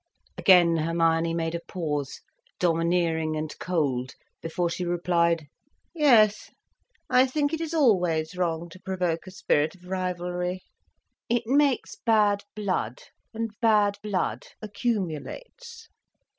Again Hermione made a pause, domineering and cold, before she replied: "Yes, I think it is always wrong to provoke a spirit of rivalry. It makes bad blood. And bad blood accumulates."